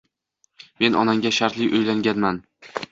Men onangga shartli uylanmaganman.